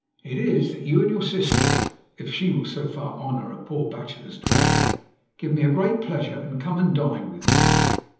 It is, that you and your sister if she will so far honour a poor bachelor's dwelling give me a great pleasure, and come and dine with me.